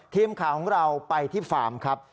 ทีมข่าวของเราไปที่ฟาร์มครับ